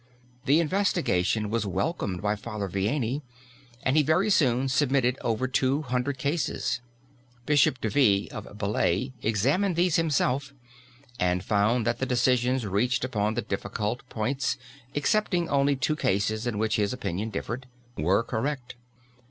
The investigation was welcomed by Father Vianney, and he very soon submitted over two hundred cases. Bishop Devie, of Belley, examined these himself and found that the decisions reached upon the difficult points (excepting only two cases in which his opinion differed), were correct.